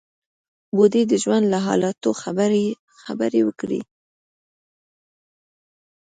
بوډۍ د ژوند له حالاتو خبرې وکړې.